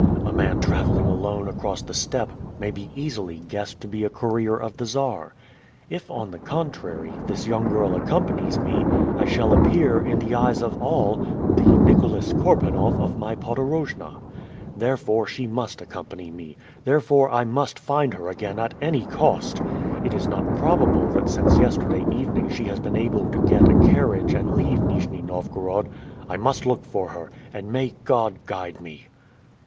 A man traveling alone across the steppe, may be easily guessed to be a courier of the Czar. If, on the contrary, this young girl accompanies me, I shall appear, in the eyes of all, the Nicholas Korpanoff of my podorojna. Therefore, she must accompany me. Therefore, I must find her again at any cost. It is not probable that since yesterday evening she has been able to get a carriage and leave Nijni Novgorod. I must look for her. And may God guide me!"